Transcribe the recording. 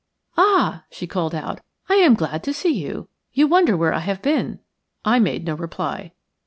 "Ah!" she called out, "I am glad to see you. You wonder where I have been." I made no reply.